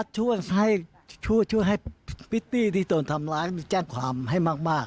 ช่วงช่วงให้พิทธิคงทำลายแจ้งความให้มาก